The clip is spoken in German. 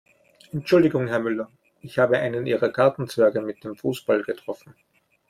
Entschuldigung Herr Müller, ich habe einen Ihrer Gartenzwerge mit dem Fußball getroffen.